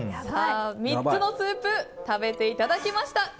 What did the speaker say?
３つのスープ食べていただきました。